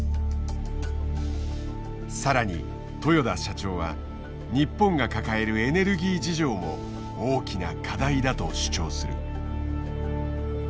さらに豊田社長は日本が抱えるエネルギー事情も大きな課題だと主張する。